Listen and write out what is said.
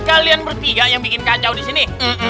kalian bertiga yang bikin kacau di sini